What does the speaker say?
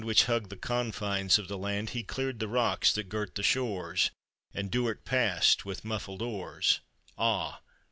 431 Which hugged the confines of the land, He cleared the rocks that girt the shores, And Duard passed with muffled oars. Ah